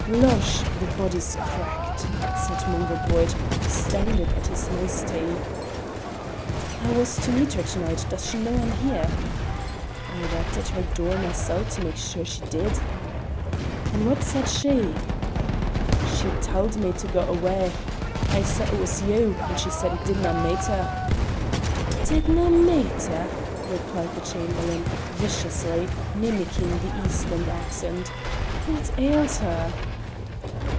"Losh! the body's cracked," said Mungo Boyd, astounded at this nicety. "I was to meet her to night; does she know I'm here?" "I rapped at her door mysel' to mak' sure she did." "And what said she?" "She tauld me to gae awa'. I said it was you, and she said it didna maitter." "Didna maitter!" repeated the Chamberlain, viciously, mimicking the eastland accent. "What ails her?"